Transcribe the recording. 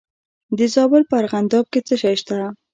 د زابل په ارغنداب کې څه شی شته؟